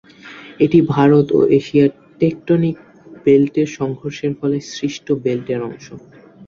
এটি ভারত ও এশিয়ার টেকটোনিক বেল্টের সংঘর্ষের ফলে সৃষ্ট বেল্টের অংশ।